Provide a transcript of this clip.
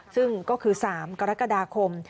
ซึ่งก็คือ๓กรกฎาคม